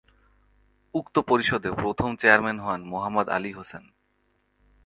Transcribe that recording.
উক্ত পরিষদে প্রথম চেয়ারম্যান হন মোহাম্মদ আলী হোসেন।